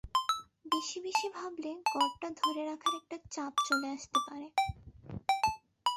বেশি বেশি ভাবলে গড়টা ধরে রাখার একটা চাপ চলে আসতে পারে।